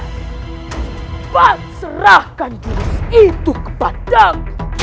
cepat serahkan jurus itu ke batam